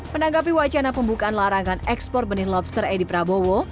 menanggapi wacana pembukaan larangan ekspor benih lobster edi prabowo